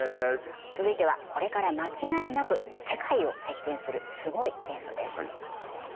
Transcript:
続いてはこれから間違いなく世界を席けんするすごい元素です